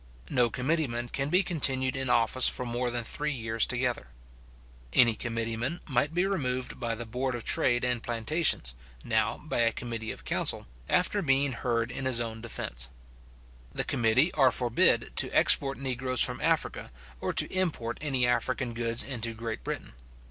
No committeeman can be continued in office for more than three years together. Any committee man might be removed by the board of trade and plantations, now by a committee of council, after being heard in his own defence. The committee are forbid to export negroes from Africa, or to import any African goods into Great Britain.